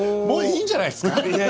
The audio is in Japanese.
もういいんじゃないですか？